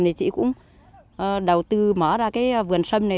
thì chị cũng đầu tư mở ra cái vườn sâm này